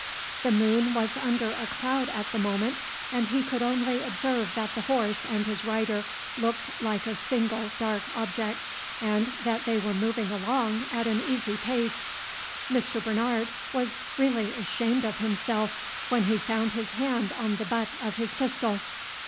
The moon was under a cloud at the moment, and he could only observe that the horse and his rider looked like a single dark object, and that they were moving along at an easy pace. Mr. Bernard was really ashamed of himself, when he found his hand on the butt of his pistol.